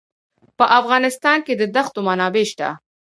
په افغانستان کې د دښتو منابع شته.